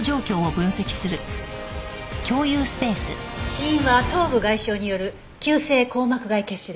死因は頭部外傷による急性硬膜外血腫でした。